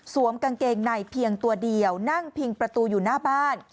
กางเกงในเพียงตัวเดียวนั่งพิงประตูอยู่หน้าบ้าน